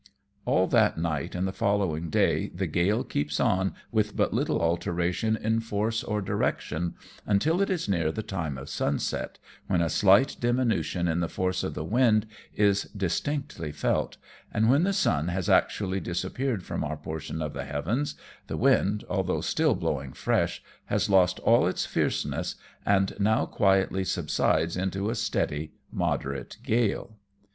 All that night and the following' day the gale keeps on with but little alteration in force or direction, until it is near the time of sunset, then a slight diminution in the force of the wind is distinctly felt, and when the sun has actually disappeared from our portion of the heavens, the wind, although still blowing fresh, has lost all its fierceness, and now quietly subsides into a steady, moderate gale.